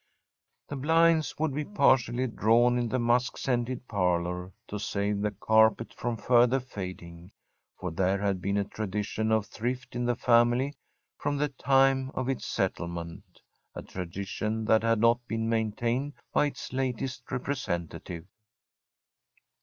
The blinds would be partially drawn in the musk scented parlor, to save the carpet from further fading, for there had been a tradition of thrift in the family from the time of its settlement, a tradition that had not been maintained by its latest representative.